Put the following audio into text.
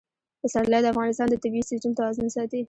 پسرلی د افغانستان د طبعي سیسټم توازن ساتي.